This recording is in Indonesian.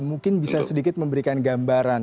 mungkin bisa sedikit memberikan gambaran